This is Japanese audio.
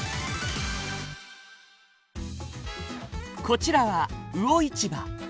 こちらは魚市場。